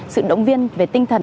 sự động viên về tinh thần